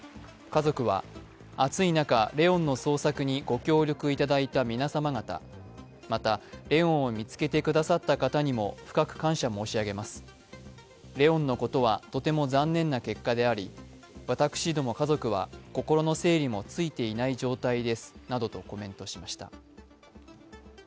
家族は、暑い中、怜音の捜索にご協力いただいた皆様方また、怜音を見つけてくださった方にも深く感謝申し上げます、怜音のことはとても残念な結果であり、私ども家族は心の整理もついていない状態ですなどとコメントしました。